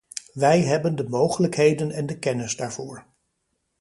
Wij hebben de mogelijkheden en de kennis daarvoor.